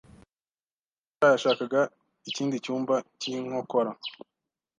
Mukesha yashakaga ikindi cyumba cy'inkokora.